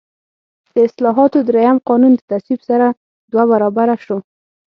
د اصلاحاتو درېیم قانون په تصویب سره دوه برابره شو.